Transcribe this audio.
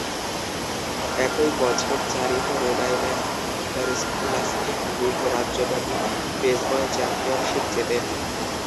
একই বছর, Chariho road island interscholastic league রাজ্যব্যাপী বেসবল চ্যাম্পিয়নশিপ জেতেন।